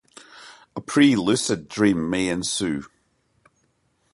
A pre-lucid dream may ensue.